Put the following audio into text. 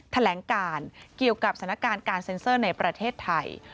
แถลงการเกี่ยวกับสถานการณ์การเซ็นเซอร์ในประเทศไทย